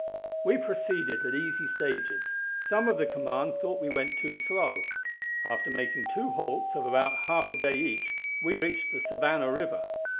We proceeded at easy stages; some of the command thought we went too slow. After making two halts of about half a day each, we reached the Savannah River.